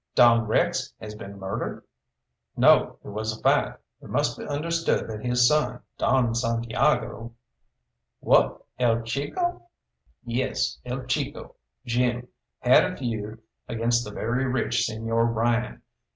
"Don Rex has been murdered?" "No, it was a fight. It must be understood that his son, Don Santiago " "What, El Chico?" "Yes, El Chico 'Jim,' had a feud against the very rich Señor Ryan.